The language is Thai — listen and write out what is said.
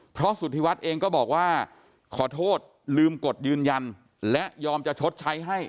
เพราะสุธิวัฒน์เองก็บอกว่าขอโทษลืมกดยืนยันและยอมจะชดใช้ให้